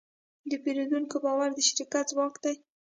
د پیرودونکي باور د شرکت ځواک دی.